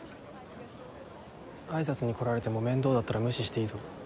あいさつに来られても面倒だったら無視していいぞ。